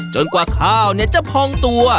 กว่าข้าวจะพองตัว